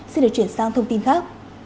xin được chuyển sang thông tin khác